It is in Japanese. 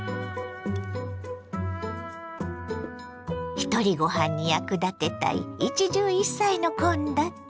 ひとりごはんに役立てたい一汁一菜の献立。